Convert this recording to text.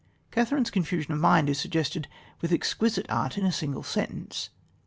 Catherine's confusion of mind is suggested with exquisite art in a single sentence.